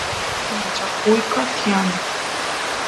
acha kuyqa tiyan